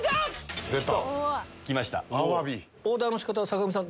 オーダーの仕方は坂上さん